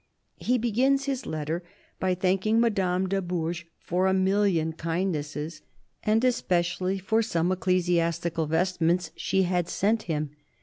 He begins his letter by thanking Madame de Bourges for a million kindnesses, and especially for some ecclesi astical vestments she had sent him.